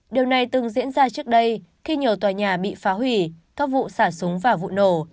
điều này từng diễn ra trước đây khi nhiều tòa nhà bị phá hủy các vụ xả súng và vụ nổ